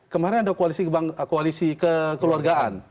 kemarin ada koalisi kekeluargaan